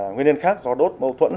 nguyên nhân khác do đốt mâu thuẫn